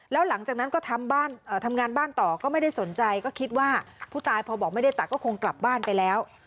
แล้วหลังจากนั้นก็ทำงานบ้านต่อก็ไม่ได้สนใจก็คิดว่าผู้ตายพอบอกไม่ได้ตัดก็คงกลับบ้านไปแล้ว